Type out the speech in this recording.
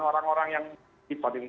orang orang yang dibuat ini kecewa